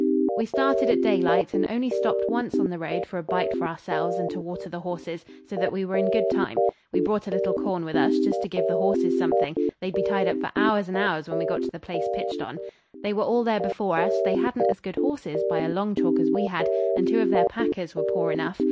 We started at daylight, and only stopped once on the road for a bite for ourselves and to water the horses, so that we were in good time. We brought a little corn with us, just to give the horses something; they'd be tied up for hours and hours when we got to the place pitched on. They were all there before us; they hadn't as good horses by a long chalk as we had, and two of their packers were poor enough.